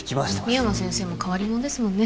深山先生も変わり者ですもんね